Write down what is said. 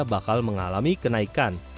bakal mengalami kenaikan